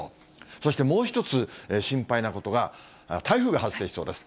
そして、もう１つ心配なことが、台風が発生しそうです。